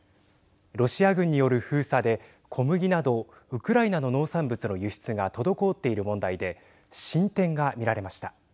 ロシア軍による封鎖で小麦など、ウクライナの農産物の輸出が滞っている問題で進展が見られました。